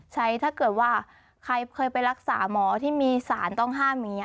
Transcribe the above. ถ้าเกิดว่าใครเคยไปรักษาหมอที่มีสารต้องห้ามอย่างนี้